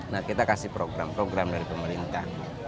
nah kita kasih program program dari pemerintah